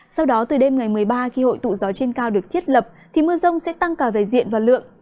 sau đó từ đêm ngày một mươi ba khi hội tụ gió trên cao được thiết lập thì mưa rông sẽ tăng cả về diện và lượng